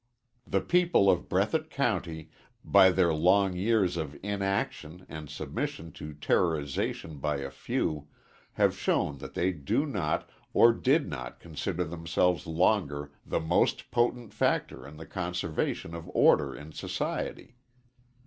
The people of Breathitt County, by their long years of inaction and submission to terrorization by a few, have shown that they do not or did not consider themselves longer the most potent factor in the conservation of order in society.